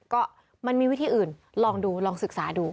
ก็มันมีวิธีอื่นลองดูลองศึกษาดู